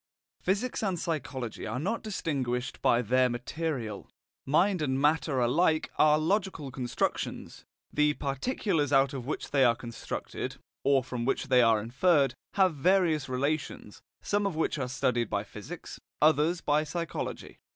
Physics and psychology are not distinguished by their material. Mind and matter alike are logical constructions; the particulars out of which they are constructed, or from which they are inferred, have various relations, some of which are studied by physics, others by psychology.